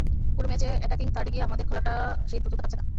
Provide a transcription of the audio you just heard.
পুরো ম্যাচে অ্যাটাকিং থার্ডে গিয়ে আমাদের খেলাটা সেই দ্রুততা পাচ্ছে না।